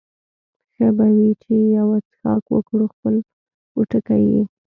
ښه به وي چې یو څښاک وکړو، خپل پوټکی یې.